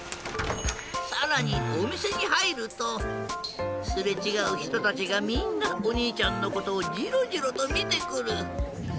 さらにおみせにはいるとすれちがうひとたちがみんなおにいちゃんのことをジロジロとみてくる。